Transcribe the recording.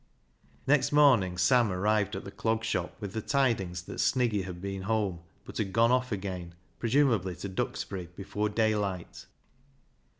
Next morning Sam arrived at the Clog Shop with the tidings that Sniggy had been home, but had gone off again, presumably to Duxbury, before daylight.